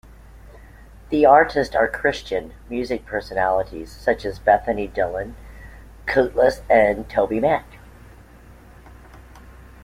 The artists are Christian music personalities, such as Bethany Dillon, Kutless, and tobyMac.